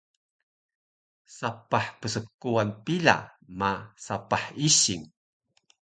sapah pskuwan pila ma sapah ising